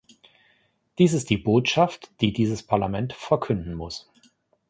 Dies ist die Botschaft, die dieses Parlament verkünden muss.